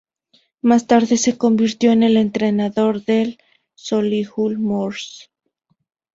Más tarde, se convirtió en el entrenador del Solihull Moors.